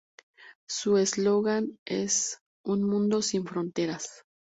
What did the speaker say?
Su eslogan es "Un Mundo Sin Fronteras".